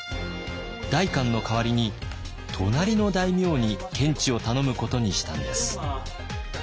代官の代わりに隣の大名に検地を頼むことにしたんです。